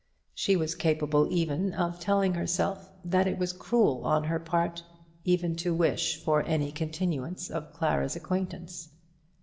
She was capable even of telling herself that it was cruel on her part even to wish for any continuance of Clara's acquaintance.